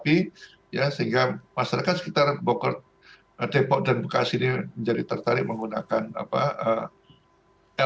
pt kiretapi ya sehingga masyarakat sekitar bokor depok dan bukas ini menjadi tertarik menggunakan apa